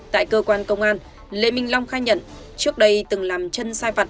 tại cơ quan công an lê minh long khai nhận trước đây từng làm chân sai vặt